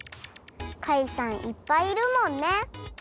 かいさんいっぱいいるもんね！